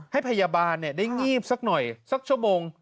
ให้พยาบาลได้งีบสักหน่อยสักชั่วโมง